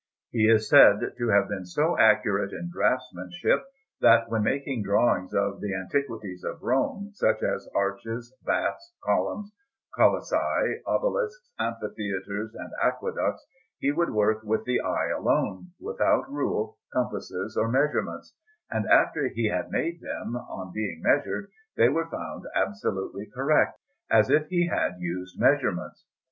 He is said to have been so accurate in draughtsmanship, that, when making drawings of the antiquities of Rome, such as arches, baths, columns, colossea, obelisks, amphitheatres, and aqueducts, he would work with the eye alone, without rule, compasses, or measurements; and after he had made them, on being measured, they were found absolutely correct, as if he had used measurements.